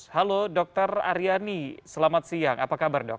halo dr aryani selamat siang apa kabar dok